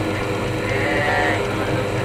Pertenece al Ayuntamiento de Valle de Sedano.